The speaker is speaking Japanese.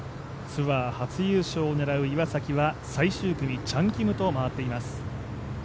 ツアー初優勝を狙う岩崎は最終組チャン・キムと回っています。